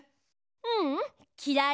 ううんきらい。